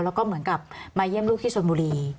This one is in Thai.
แล้วก็เหมือนกับมาเยี่ยมลูกที่ชนบุรี